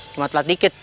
cuma telat dikit